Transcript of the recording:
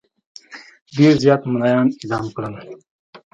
ډېر زیات مُلایان اعدام کړل.